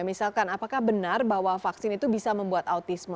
misalkan apakah benar bahwa vaksin itu bisa membuat autisme